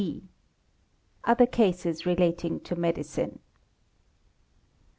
D. Other cases relating to Medicine.